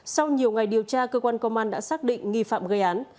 sau nhiều ngày điều tra cơ quan công an đã xác định nghi phạm gây án